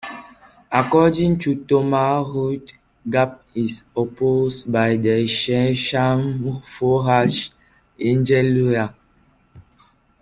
According to Thomas Rudd, Gaap is opposed by the Shemhamphorasch angel Ieuiah.